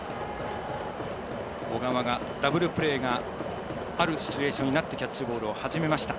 小川がダブルプレーがあるシチュエーションになってキャッチボールを始めました。